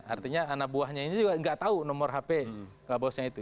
artinya anak buahnya ini juga nggak tahu nomor hp kabusnya itu